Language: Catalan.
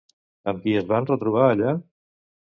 Amb qui es van retrobar allà?